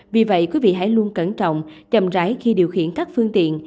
vì vậy quý vị hãy luôn cẩn trọng chậm rãi khi điều khiển các phương tiện